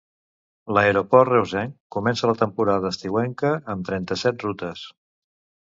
L'aeroport reusenc comença la temporada estiuenca amb trenta-set rutes.